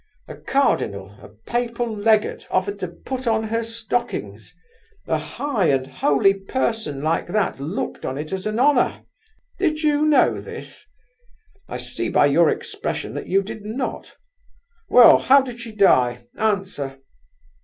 —a Cardinal, a Papal legate, offered to put on her stockings; a high and holy person like that looked on it as an honour! Did you know this? I see by your expression that you did not! Well, how did she die? Answer!"